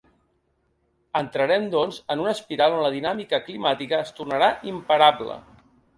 Entrarem, doncs, en una espiral on la dinàmica climàtica es tornarà imparable.